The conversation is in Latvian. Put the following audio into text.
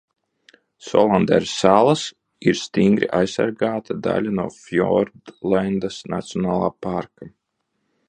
Solandera salas ir stingri aizsargāta daļa no Fjordlendas nacionālā parka.